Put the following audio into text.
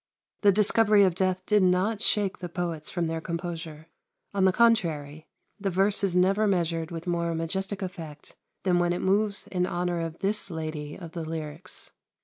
The discovery of death did not shake the poets from their composure. On the contrary, the verse is never measured with more majestic effect than when it moves in honour of this Lady of the lyrics.